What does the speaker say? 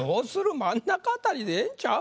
真ん中辺りでええんちゃう？